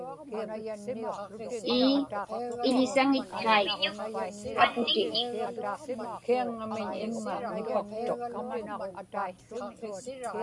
Ii, iḷisaŋitkaik.